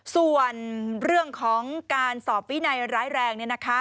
ส่วนเรื่องของการสอบวินัยร้ายแรง